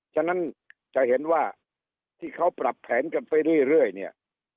ฉะนั้นจะเห็นว่าที่เขาปรับแผนกันไปเรื่อยเนี่ย